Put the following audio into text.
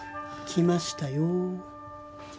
きましたよ